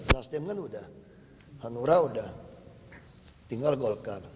nasdem kan udah hanura udah tinggal golkar